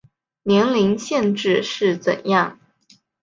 年龄限制是怎样